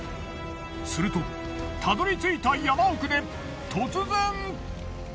するとたどりついた山奥で突然。